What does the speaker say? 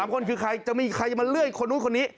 ๓คนคือใครจะมีใครจะมาเลื่อยคนนู้นคนนี้